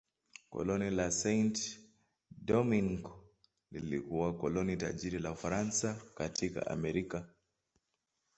Koloni la Saint-Domingue lilikuwa koloni tajiri la Ufaransa katika Amerika.